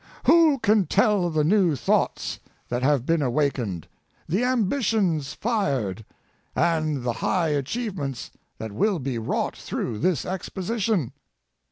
Who can tell the new thoughts that have been awak ened, the ambitions fired, and the high achievements that will be wrought through this exposition?